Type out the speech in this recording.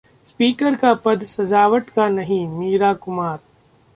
speaker का पद सजावट का नहीं: मीरा कुमार